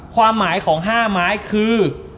ความหมายของ๕ไม้คือ